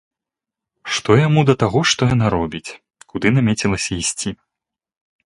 Што яму да таго, што яна робіць, куды намецілася ісці?